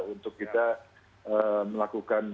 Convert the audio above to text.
untuk kita melakukan